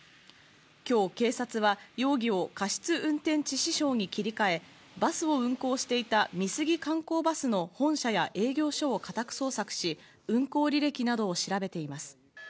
今日、警察は容疑を過失運転致死傷に切り替えバスを運行していた美杉観光バスの本社や営業所を家宅捜索し、運行履歴などを調べています。